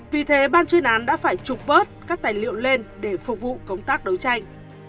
vì thế ban chuyên án đã phải trục vớt các tài liệu lên để phục vụ công tác đấu tranh